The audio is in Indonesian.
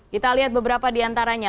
kita lihat beberapa di antaranya